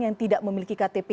yang tidak memiliki ktp